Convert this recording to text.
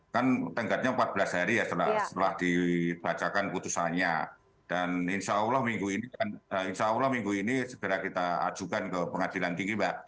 kan tengkatnya empat belas hari ya setelah dibacakan putusannya dan insyaallah minggu ini segera kita ajukan ke pengadilan tinggi mbak